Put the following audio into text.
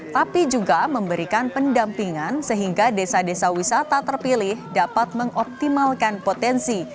tapi juga memberikan pendampingan sehingga desa desa wisata terpilih dapat mengoptimalkan potensi